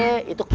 eh itu kiri